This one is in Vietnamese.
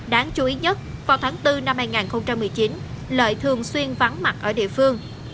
đáng chú ý nhất vào tháng bốn năm hai nghìn một mươi chín lợi thường xuyên vắng mặt ở địa phương